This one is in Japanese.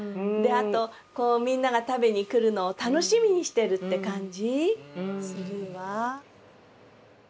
あとみんなが食べに来るのを楽しみにしてるって感じするわ。